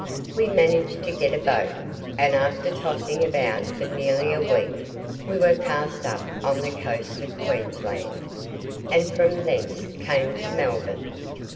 We managed to get a boat, and after tossing about for nearly a week we were cast up on the coast of Queensland, and from thence came to Melbourne.